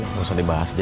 gak usah dibahas jel ya